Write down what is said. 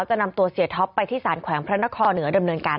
จะนำตัวเสียท็อปไปที่สารแขวงพระนครเหนือดำเนินการ